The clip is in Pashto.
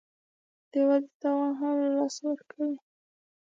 د ودې توان هم له لاسه ورکوي